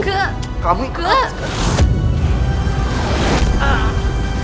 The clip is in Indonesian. kami ikut sekarang